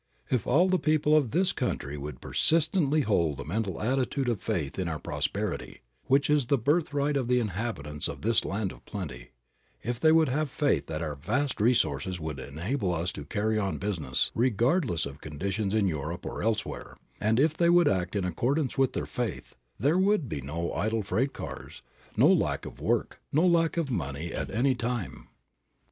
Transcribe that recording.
If all the people of this country would persistently hold a mental attitude of faith in our prosperity, which is the birthright of the inhabitants of this land of plenty; if they would have faith that our vast resources would enable us to carry on business, regardless of conditions in Europe or elsewhere, and if they would act in accordance with their faith, there would be no idle freight cars, no lack of work, no lack of money at any time.